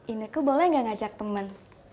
ineke boleh gak ngajak temen